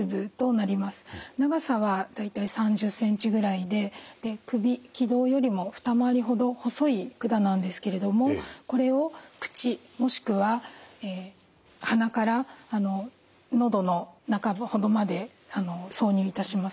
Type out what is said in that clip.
長さは大体３０ｃｍぐらいでくび気道よりも二回りほど細い管なんですけれどもこれを口もしくは鼻から喉の中ほどまで挿入いたします。